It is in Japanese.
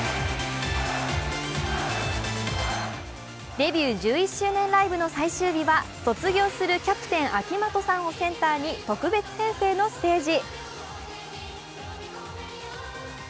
デビュー１１周年ライブの最終日は卒業するキャプテン・秋元さんをセンターに特別編成のステージ。